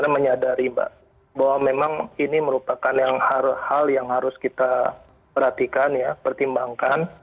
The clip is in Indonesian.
menyadari mbak bahwa memang ini merupakan hal yang harus kita perhatikan ya pertimbangkan